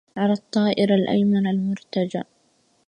على الطائر الأيمن المرتجى